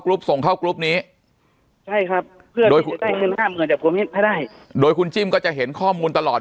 กรุ๊ปส่งเข้ากรุ๊ปนี้ใช่ครับโดยคุณจิ้มก็จะเห็นข้อมูลตลอด